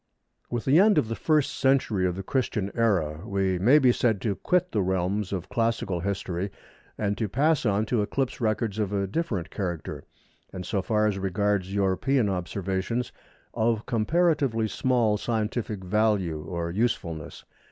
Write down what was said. With the end of the first century of the Christian Era we may be said to quit the realms of classical history and to pass on to eclipse records of a different character, and, so far as regards European observations, of comparatively small scientific value or usefulness.